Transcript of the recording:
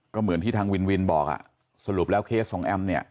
ก็เหมือนที่ทางวินวินบอกอ่ะสรุปแล้วเคสของแอมเนี่ย